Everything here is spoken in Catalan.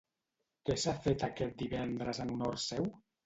Què s'ha fet aquest divendres en honor seu?